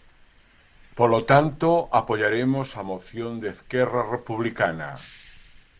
Polo tanto apoiaremos a moción de Esquerra Republicana.